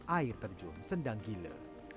air terjun sendang gile